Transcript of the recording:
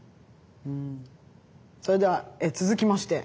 それでは続きまして。